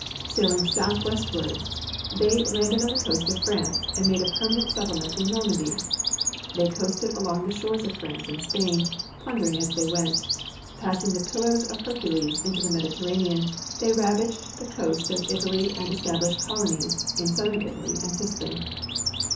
Sailing southwestward, they landed on the coast of France and made a permanent settle ment in Normandy. They coasted along the shores of France and Spain, plundering as they went ; passing the Pillars of Her cules intQ the Mediterranean, they ravaged the coast of Italy and established colonies in southern Italy and Sicily.